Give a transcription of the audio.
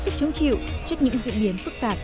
sức chống chịu trước những diễn biến phức tạp